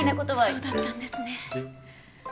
そうだったんですね。